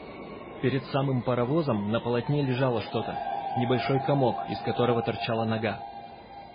Перед самым паровозом на полотне лежало что-то, небольшой комок, из которого торчала нога.